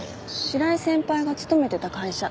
白井先輩が勤めてた会社。